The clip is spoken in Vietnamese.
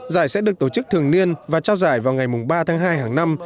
giải sẽ được tổ chức thường niên và trao giải vào ngày ba tháng hai hàng năm